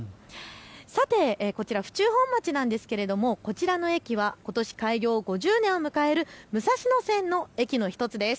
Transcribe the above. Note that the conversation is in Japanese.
さてこちら、府中本町なんですがこちらの駅はことし開業５０年を迎える武蔵野線の駅の１つです。